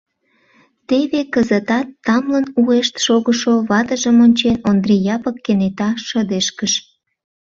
Теве кызытат тамлын уэшт шогышо ватыжым ончен, Ондри Япык кенета шыдешкыш.